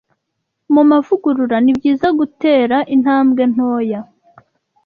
Mu mavugurura, ni byiza gutera intambwe ntoya